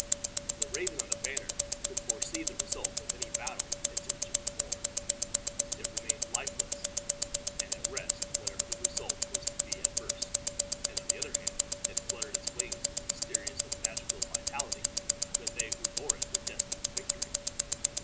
The raven on the banner could foresee the result of any battle into which it was borne. It remained lifeless and at rest whenever the result was to be adverse; and, on the other hand, it fluttered its wings with a mysterious and magical vitality when they who bore it were destined to victory.